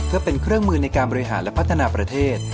เพื่อเป็นเครื่องมือในการบริหารและพัฒนาประเทศ